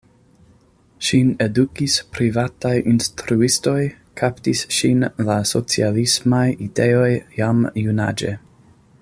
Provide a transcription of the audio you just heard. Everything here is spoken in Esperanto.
Ŝin edukis privataj instruistoj, kaptis ŝin la socialismaj ideoj jam junaĝe.